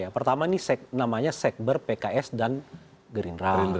pertama ini namanya sekber pks dan gerindra